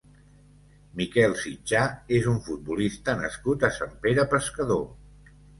Miquel Sitjà és un futbolista nascut a Sant Pere Pescador.